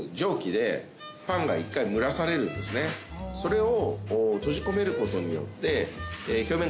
それを。